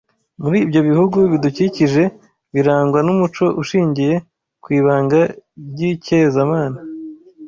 Muri ibyo bihugu bidukikije birangwa n’umuco ushingiye ku ibanga ry’ikezamana